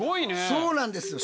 そうなんですよ。